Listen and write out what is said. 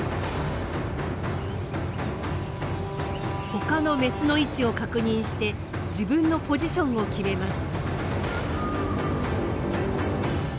他のメスの位置を確認して自分のポジションを決めます。